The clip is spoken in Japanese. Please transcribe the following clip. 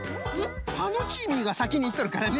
タノチーミーがさきにいっとるからね